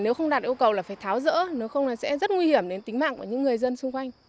nếu không đạt yêu cầu là phải tháo rỡ nếu không sẽ rất nguy hiểm đến tính mạng của những người dân xung quanh